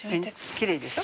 きれいでしょ？